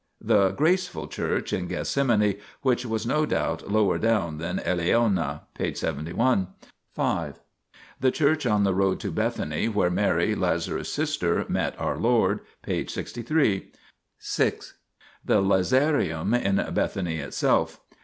The "graceful" Church in Gethsemane, which was no doubt lower down than Eleona (p. 71). 5. The Church on the road to Bethany where Mary, Lazarus's sister, met our Lord (p. 63). 6. The Lazarium in Bethany itself.